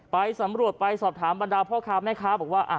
ไปสำรวจไปสอบถามบรรดาพ่อค้าแม่ค้าบอกว่า